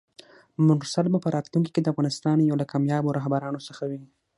مرسل به په راتلونکي کې د افغانستان یو له کاميابو رهبرانو څخه وي!